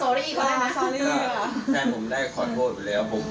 ที่เขาโมะใบป่าวให้พี่